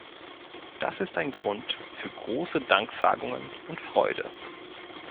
Das ist ein Grund für große Danksagungen und Freude.